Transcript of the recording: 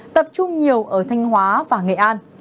tập trung nhiều ở thanh hóa và nghệ an